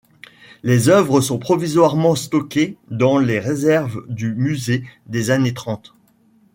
Les œuvres sont provisoirement stockées dans les réserves du musée des Années Trente.